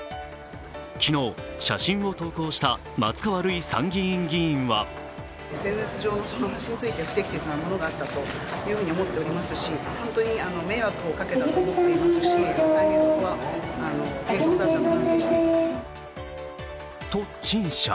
昨日、写真を投稿した松川るい参議院議員はと、陳謝。